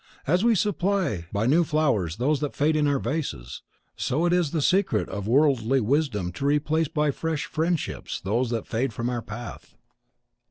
As we supply by new flowers those that fade in our vases, so it is the secret of worldly wisdom to replace by fresh friendships those that fade from our path."